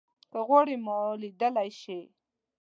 که غواړې ما ليدای شې